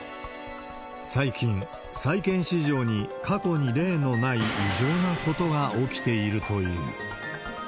最近、債券市場に過去に例のない異常なことが起きているという。